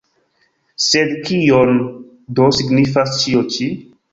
Sed kion do signifas ĉio ĉi?